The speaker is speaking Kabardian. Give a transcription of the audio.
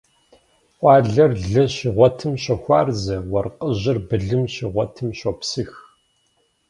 Къуалэр лы щигъуэтым щохуарзэ, уэркъыжьыр былым щигъуэтым щопсых.